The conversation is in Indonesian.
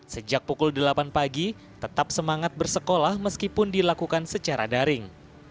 sejak pukul delapan pagi tetap semangat bersekolah meskipun dilakukan secara daring